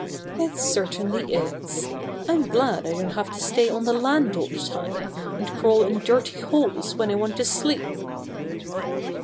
"It certainly is. I'm glad I don't have to stay on the land all the time, and crawl in dirty holes when I want to sleep."